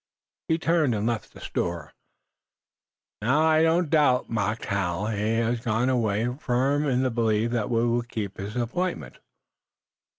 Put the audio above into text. He turned and left the store. "Now, I don't doubt," mocked Hal, "he has gone away firm in the belief that we'll keep his appointment."